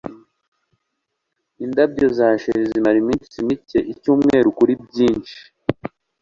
indabyo za cherry zimara iminsi mike, icyumweru kuri byinshi